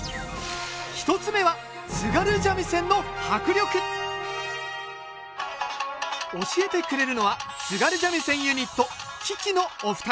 １つ目は教えてくれるのは津軽三味線ユニット輝＆輝のお二人。